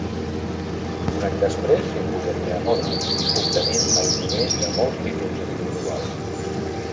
Un any després s'imposaria a Moro, obtenint el primer de molts títols individuals.